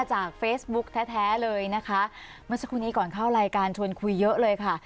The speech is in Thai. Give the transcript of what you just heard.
จากเฟซบุ๊กแท้แท้เลยนะคะเมื่อสักครู่นี้ก่อนเข้ารายการชวนคุยเยอะเลยค่ะ